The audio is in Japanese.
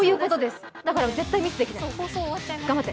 だから絶対ミスできない、頑張って！